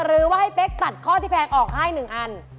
หรือว่าให้เป๊กตัดข้อที่แพงออกให้๑อัน